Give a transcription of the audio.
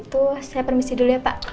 tuh saya permisi dulu ya pak